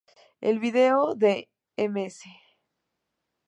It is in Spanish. El video de "Ms.